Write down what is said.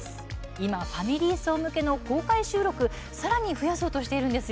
今ファミリー層向けの公開収録をさらに増やそうとしているんです。